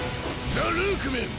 ザ・ルークメン！